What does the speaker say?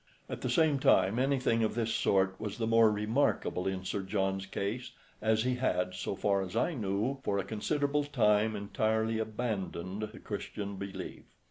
At the same time, anything of this sort was the more remarkable in Sir John's case, as he had, so far as I knew, for a considerable time entirely abandoned the Christian belief.